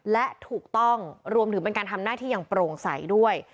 และถูกต้องรวมถึงเป็นการทำหน้าที่อย่างโปร่งใสด้วย